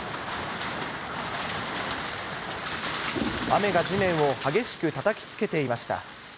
雨が地面を激しくたたきつけていました。